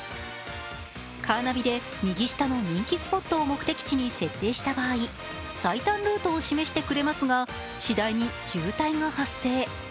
カーナビで右下の人気スポットを目的地に設定した場合、最短ルートを示してくれますがしだいに渋滞が発生。